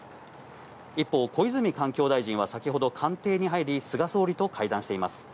一方、小泉環境大臣は先ほど官邸に入り、菅総理と会談しています。